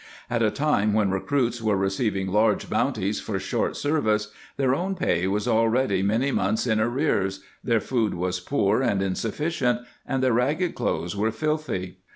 At a time when recruits were receiving large bounties for short service, their own pay was already many months in arrears, their food was poor and insuf ficient, and their ragged clothes were filthy.